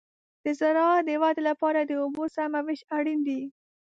د زراعت د ودې لپاره د اوبو سمه وېش اړین دی.